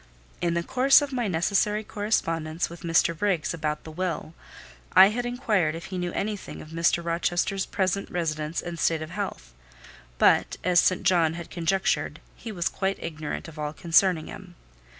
In the course of my necessary correspondence with Mr. Briggs about the will, I had inquired if he knew anything of Mr. Rochester's present residence and state of health; but, as St. John had conjectured, he was quite ignorant of all concerning him.